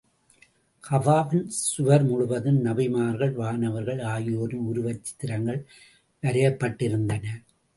கஃபாவின் சுவர் முழுவதும் நபிமார்கள், வானவர்கள் ஆகியோரின் உருவச் சித்திரங்கள் வரையப்பட்டிருந்தன.